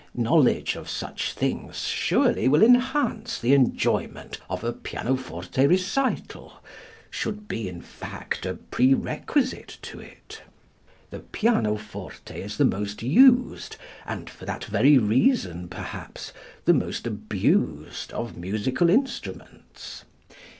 Knowledge of such things surely will enhance the enjoyment of a pianoforte recital should be, in fact, a prerequisite to it. The pianoforte is the most used and, for that very reason, perhaps, the most abused of musical instruments.